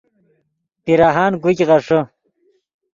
پیراہان کوګ غیݰے